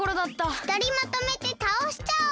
ふたりまとめてたおしちゃおう！